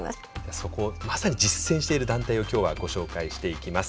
そこをまさに実践している団体を今日はご紹介していきます。